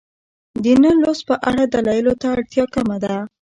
د نه لوست په اړه دلایلو ته اړتیا کمه ده.